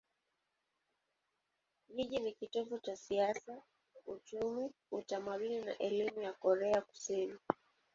Jiji ni kitovu cha siasa, uchumi, utamaduni na elimu ya Korea Kusini.